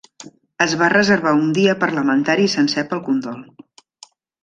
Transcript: Es va reservar un dia parlamentari sencer pel condol.